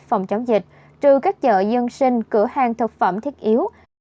phòng chống dịch trừ các chợ dân sinh cửa hàng thực phẩm thiết yếu